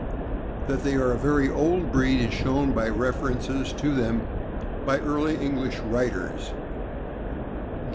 That they are a very old breed is shown by references to them by early English writers.